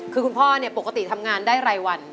คือคุณพ่อเนี่ยปกติทำงานได้รายวัน